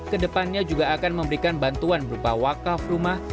ke depannya juga akan memberikan bantuan berupa wakaf rumah